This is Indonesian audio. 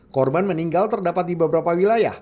korban meninggal terdapat di beberapa wilayah